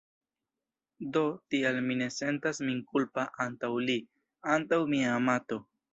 Do, tial mi ne sentas min kulpa antaŭ li, antaŭ mia amato.